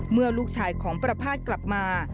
เมื่อลูกชายของประภาษณ์กลับมา